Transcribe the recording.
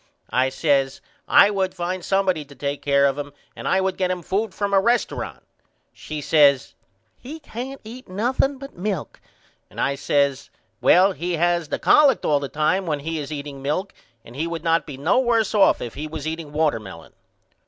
I says I would find somebody to take care of him and I would get him food from a resturunt. She says He can't eat nothing but milk and I says Well he has the collect all the time when he is eating milk and he would not be no worse off if he was eating watermelon.